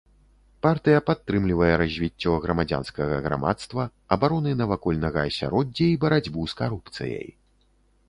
Партыя падтрымлівае развіццё грамадзянскага грамадства, абароны навакольнага асяроддзя і барацьбу з карупцыяй.